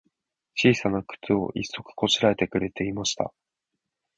ちいさなくつを、一足こしらえてくれていました。